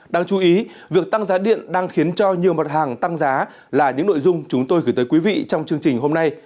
đáng chú ý việc tăng giá điện đang khiến cho nhiều mặt hàng tăng giá là những nội dung chúng tôi gửi tới quý vị trong chương trình hôm nay